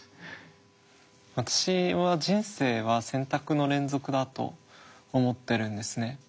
私は人生は選択の連続だと思ってるんですね。